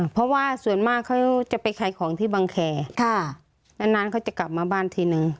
เพราะว่าส่วนมากเขาจะไปขายของที่บังแคร์นานเขาจะกลับมาบ้านทีนึง